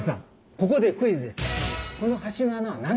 ここでクイズです。